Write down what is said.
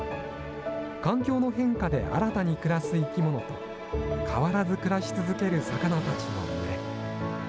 環境の変化で新たに暮らす生き物と、変わらず暮らし続ける魚たちの群れ。